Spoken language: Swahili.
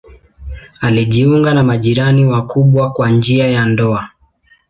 Alijiunga na majirani wakubwa kwa njia ya ndoa.